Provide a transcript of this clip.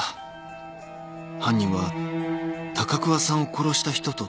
犯人は高桑さんを殺した人と同一人物？］